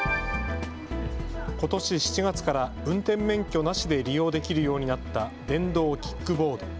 ことし７月から運転免許なしで利用できるようになった電動キックボード。